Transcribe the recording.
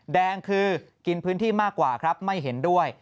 แดงคือกินพื้นที่มากกว่าครับไม่เห็นด้วย